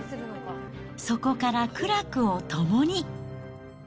そこから苦楽を共に。